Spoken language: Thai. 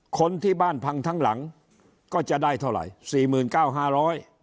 คนที่บ้านพังทั้งหลังก็จะได้เท่าไหร่๔๙๕๐๐